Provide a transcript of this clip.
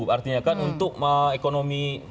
artinya kan untuk ekonomi